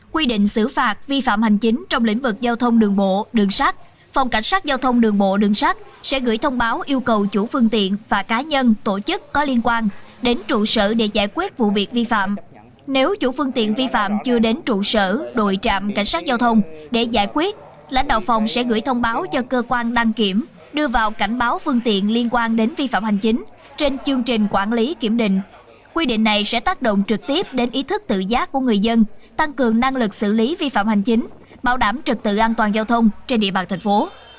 quy định này sẽ tác động trực tiếp đến ý thức tự giác của người dân tăng cường năng lực xử lý vi phạm hành chính bảo đảm trực tự an toàn giao thông trên địa bàn thành phố